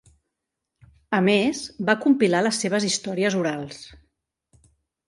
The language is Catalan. A més, va compilar les seves històries orals.